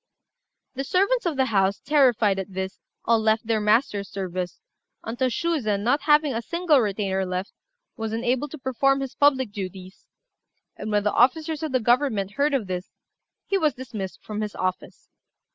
The servants of the house, terrified at this, all left their master's service, until Shuzen, not having a single retainer left, was unable to perform his public duties; and when the officers of the government heard of this, he was dismissed from his office.